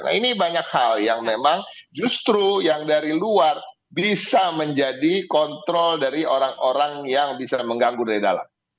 nah ini banyak hal yang memang justru yang dari luar bisa menjadi kontrol dari orang orang yang bisa mengganggu dari dalam